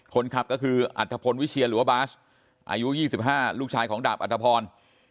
คนขับก็คืออัธพลวิเชียนหรือว่าบาสอายุ๒๕ลูกชายของดาบอัตภพร